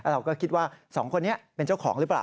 เราก็คิดว่าสองคนนี้เป็นเจ้าของหรือเปล่า